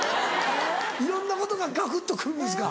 いろんなことがガクっと来るんですか。